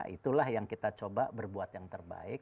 itulah yang kita coba berbuat yang terbaik